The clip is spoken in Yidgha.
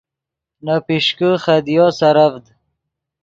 نے پیشکے خدیو سرڤد